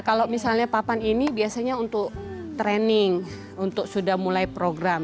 kalau misalnya papan ini biasanya untuk training untuk sudah mulai program